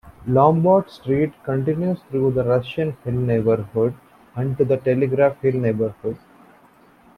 Lombard Street continues through the Russian Hill neighborhood and to the Telegraph Hill neighborhood.